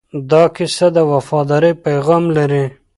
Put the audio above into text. دا کیسه د وفادارۍ پیغام لري.